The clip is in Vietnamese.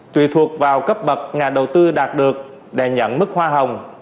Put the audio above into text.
tùy thuộc vào cấp bậc nhà đầu tư đạt được để nhận mức hoa hồng